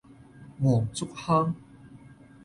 黃竹坑